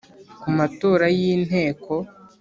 Ku matora y inteko